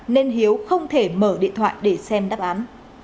nên hiếu không thể mở điện thoại để xem đáp án